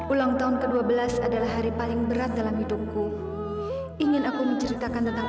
ulang tahun ke dua belas adalah hari paling berat dalam hidupku ingin aku menceritakan tentang